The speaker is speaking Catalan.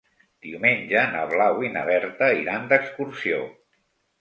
Diumenge na Blau i na Berta iran d'excursió.